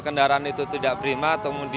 kendaraan itu tidak prima